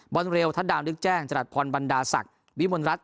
บอนเรวทัดดาวนึกแจ้งจรัดพรบันดาศักษ์วิมลรัฐ